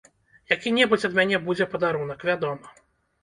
Які-небудзь ад мяне будзе падарунак, вядома.